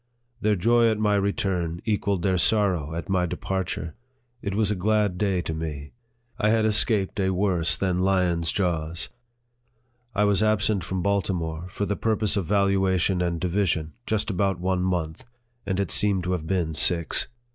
Their joy at my return equalled their sorrow at my departure. It was a glad day to me. I had escaped a worse than lion's jaws. I was absent from Baltimore, for the purpose of valuation and division, just about one month, and it seemed to have been six.